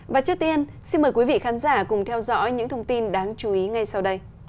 và trước tiên xin mời quý vị khán giả cùng theo dõi những thông tin đáng chú ý ngay sau đây